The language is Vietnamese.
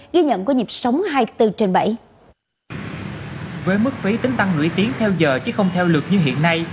với mức phí tính tăng nổi tiếng theo giờ chứ không theo lực như hiện nay